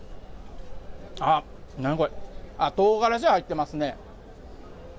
あっ、何これ、あっ、とうがらし入ってますね。